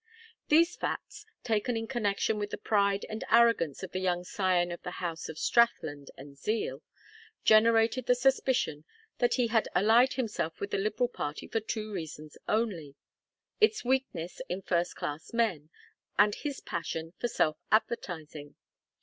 These facts, taken in connection with the pride and arrogance of the young scion of the house of Strathland and Zeal, generated the suspicion that he had allied himself with the Liberal party for two reasons only: its weakness in first class men, and his passion for self advertising.